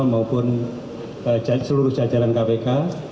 maupun seluruh jajaran kpk